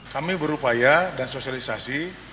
kami berupaya dan sosialisasi